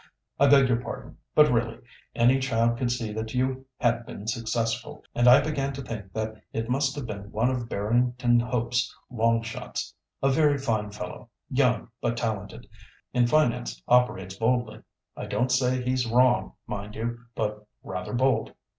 "I beg your pardon; but really, any child could see that you had been successful; and I began to think that it must have been one of Barrington Hope's long shots. A very fine fellow, young but talented; in finance operates boldly. I don't say he's wrong, mind you, but rather bold.